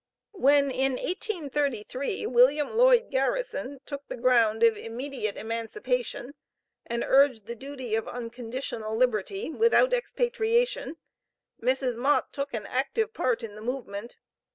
When in 1833, Wm. Lloyd Garrison took the ground of immediate emancipation and urged the duty of unconditional liberty without expatriation, Mrs. Mott took an active part in the movement.